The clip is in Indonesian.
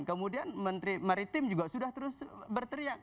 kemudian menteri maritim juga sudah terus berteriak